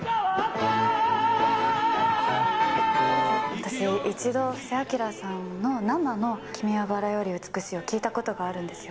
私、一度布施明さんの生の君は薔薇より美しいを聴いたことがあるんですよ。